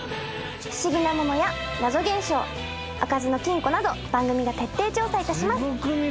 不思議なものや謎現象開かずの金庫など番組が徹底調査いたします。